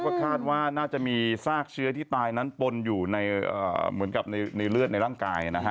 ก็คาดว่าน่าจะมีซากเชื้อที่ตายนั้นปนอยู่ในเหมือนกับในเลือดในร่างกายนะฮะ